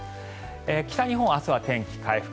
北日本、明日は天気回復。